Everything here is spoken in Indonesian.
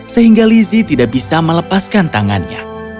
sehingga lizzie tidak bisa melepaskan tangannya